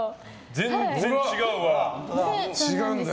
全然違うわ。